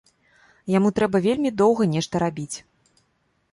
Яму трэба вельмі доўга нешта рабіць.